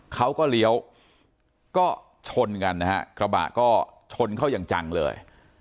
เขาก็เลี้ยวก็ชนกันนะฮะกระบะก็ชนเข้าอย่างจังเลย